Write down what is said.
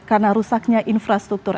karena rusaknya infrastruktur